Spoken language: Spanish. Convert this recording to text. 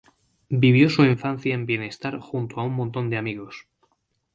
Vivió su infancia en bienestar junto a un montón de amigos.